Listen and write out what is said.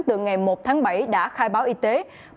từ ngày một tháng bảy đã khai báo y tế